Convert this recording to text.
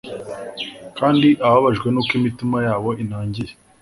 Kandi ababajwe nuko imitima yabo inangiye